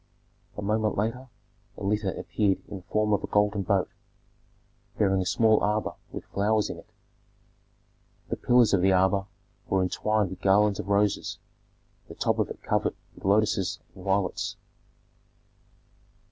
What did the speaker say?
A moment later a litter appeared in the form of a golden boat, bearing a small arbor with flowers in it; the pillars of the arbor were entwined with garlands of roses, the top of it covered with lotuses and violets.